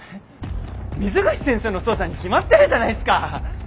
水口先生の捜査に決まってるじゃないっすか！